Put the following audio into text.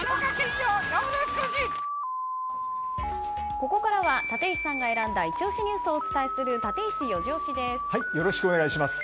ここからは立石さんが選んだイチ推しニュースをお伝えするよろしくお願いします。